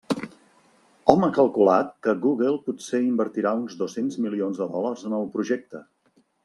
Hom ha calculat que Google potser invertirà uns dos-cents milions de dòlars en el projecte.